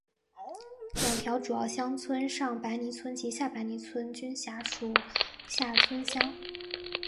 两条主要乡村上白泥村及下白泥村均辖属厦村乡。